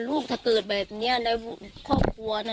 ถ้าเกิดแบบนี้ในครอบครัวนะ